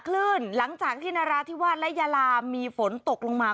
หลังจากที่นราธิวาสและยาลามีฝนตกลงมา